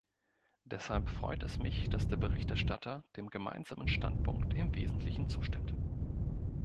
Deshalb freut es mich, dass der Berichterstatter dem Gemeinsamen Standpunkt im Wesentlichen zustimmt.